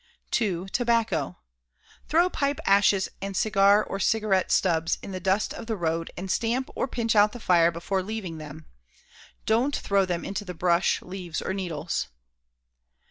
2. Tobacco. Throw pipe ashes and cigar or cigarette stubs in the dust of the road and stamp or pinch out the fire before leaving them. Don't throw them into the brush, leaves or needles.